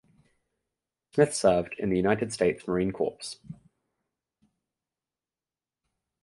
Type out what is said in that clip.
Smith served in the United States Marine Corps.